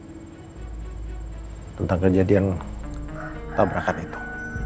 tentang kejadian tabrakan itu